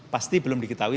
pasti belum diketahui